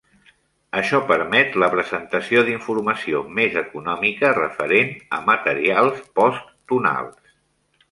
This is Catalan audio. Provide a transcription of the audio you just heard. Això permet la presentació d'informació més econòmica referent a materials post-tonals.